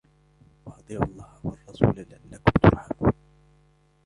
وأطيعوا الله والرسول لعلكم ترحمون